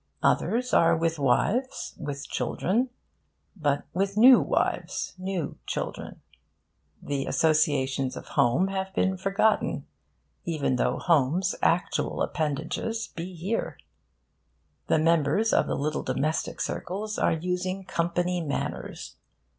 Others are with wives, with children but with new wives, new children. The associations of home have been forgotten, even though home's actual appendages be here. The members of the little domestic circles are using company manners.